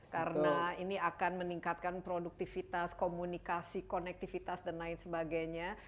karena ini akan meningkatkan produktivitas komunikasi konektivitas dan lain sebagainya